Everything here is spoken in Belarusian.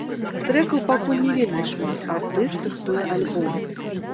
Трэкаў пакуль не вельмі шмат, артыст рыхтуе альбом.